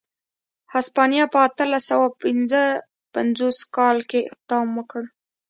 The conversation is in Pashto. هسپانیا په اتلس سوه پنځه پنځوس کال کې اقدام وکړ.